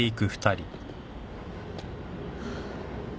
ハァ。